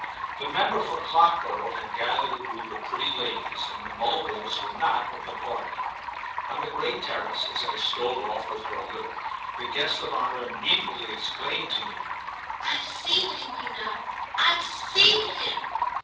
The member for Clockborough had gathered a group of pretty ladies, and the Mulvilles were not of the party. On the great terrace, as I strolled off with her a little, the guest of honour immediately exclaimed to me: "I've seen him, you know—I've seen him!"